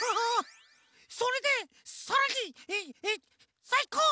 それでさらにさいこう！